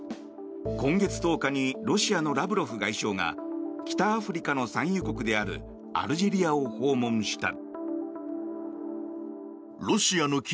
今月１０日にロシアのラブロフ外相が北アフリカの産油国であるアルジェリアを訪問した。